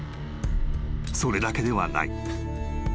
［それだけではない］